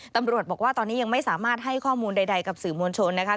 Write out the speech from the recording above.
ตำรวจบอกว่าตอนนี้ยังไม่สามารถให้ข้อมูลใดกับสื่อมวลชนนะคะ